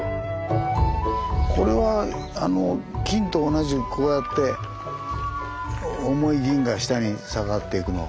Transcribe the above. これは金と同じくこうやって重い銀が下に下がっていくの。